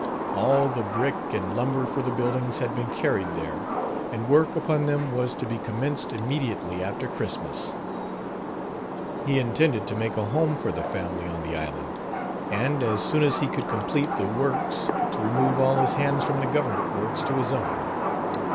All the brick and lumber for the buildings had been carried there, and work upon them was to be commenced immediately after Christmas. He intended to make a home for the family on the island; and, as soon as he could complete the works, to remove all his hands from the government works to his own.